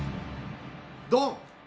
ドン！